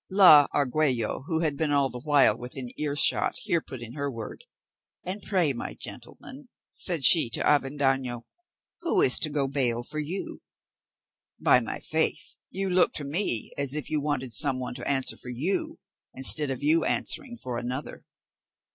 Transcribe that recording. La Argüello, who had been all the while within earshot, here put in her word. "And pray, my gentleman," said she to Avendaño, "who is to go bail for you? By my faith, you look to me as if you wanted some one to answer for you instead of your answering for another."